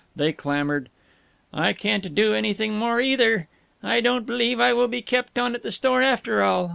They clamored: "I can't do anything more, either. "I don't believe I will be kept on at the store, after all.